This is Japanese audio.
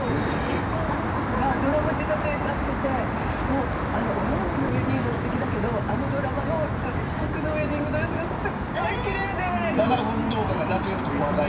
結婚報告がドラマ仕立てになっていてオレンジのウエディングもすてきだけどあのドラマの純白のウエディングドレスが７分動画が泣けると話題。